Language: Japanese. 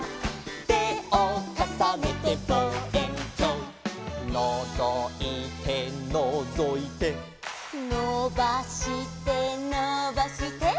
「てをかさねてぼうえんきょう」「のぞいてのぞいて」「のばしてのばして」